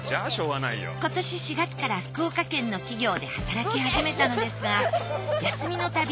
今年４月から福岡県の企業で働き始めたのですが休みのたび